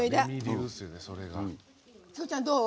景子ちゃん、どう？